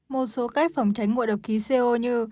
một số cách phòng tránh ngộ độc khí co như